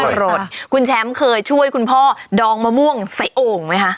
โหลดคุณแชมป์เคยช่วยคุณพ่อดองมะม่วงใส่โอ่งไหมคะ